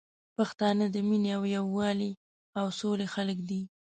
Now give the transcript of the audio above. پښتانه د مينې او یوالي او سولي خلګ دي